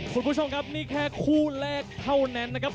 คุณผู้ชมครับนี่แค่คู่แรกเท่านั้นนะครับ